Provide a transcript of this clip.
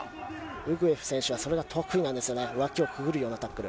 ウグエフ選手はそれが得意なんです、脇をくぐるようなタックル。